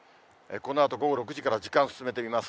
このあと午後６時から時間進めてみます。